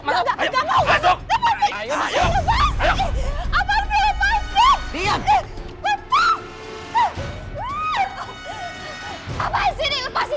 apa apa saya tidak mau